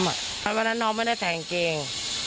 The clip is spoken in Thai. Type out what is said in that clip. เพราะวันนั้นน้องไม่ได้ใส่กางเกง